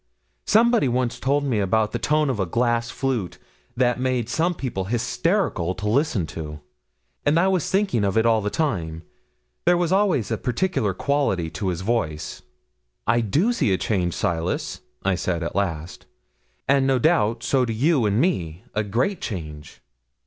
Somebody once told me about the tone of a glass flute that made some people hysterical to listen to, and I was thinking of it all the time. There was always a peculiar quality in his voice. '"I do see a change, Silas," I said at last; "and, no doubt, so do you in me a great change."